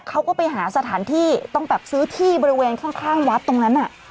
เขาก็ไปหาสถานที่ต้องแบบซื้อที่บริเวณข้างวัดตรงนั้น